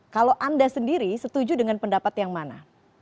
kalau anda sendiri setuju dengan pendapat yang mana